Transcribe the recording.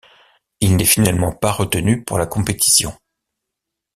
Il n'est finalement pas retenu pour la compétition.